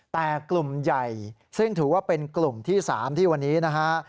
แต่กลุ่มใหญ่ซึ่งถือว่าเป็นกลุ่มที่๓ที่วันนี้นะฮะ